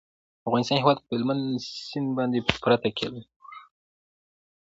د افغانستان هیواد په هلمند سیند باندې پوره تکیه لري.